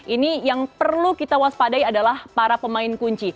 ini yang perlu kita waspadai adalah para pemain kunci